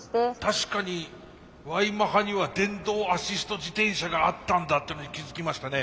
確かにＹマハには電動アシスト自転車があったんだっていうのに気付きましたね。